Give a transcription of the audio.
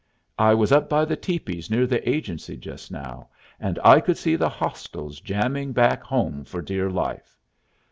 I was up by the tepees near the agency just now, and I could see the hostiles jamming back home for dear life.